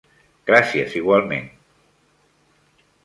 Gràcies igualment.